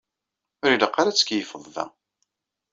Ur ilaq ara ad tkeyyfeḍ da.